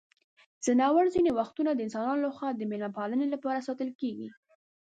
ځناور ځینې وختونه د انسانانو لخوا د مېلمه پالنې لپاره ساتل کیږي.